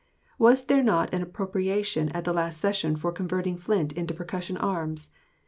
Was there not an appropriation at the last session for converting flint into percussion arms?